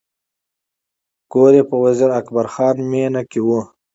کور یې په وزیر اکبر خان مېنه کې و.